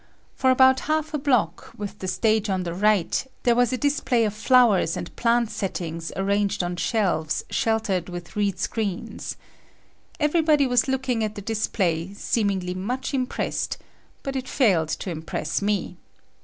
For about half a block, with the stage on the right, there was a display of flowers and plant settings arranged on shelves sheltered with reed screens. Everybody was looking at the display seemingly much impressed, but it failed to impress me.